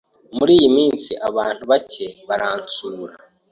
Muri iyi minsi, abantu bake baransura.